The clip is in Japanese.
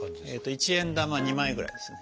１円玉２枚ぐらいですね。